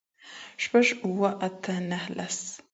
شپږ اووه آته نهه لس